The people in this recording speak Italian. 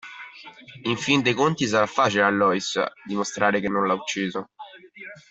In fin dei conti, sarà facile a Lois dimostrare che non lo ha ucciso.